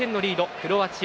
クロアチア。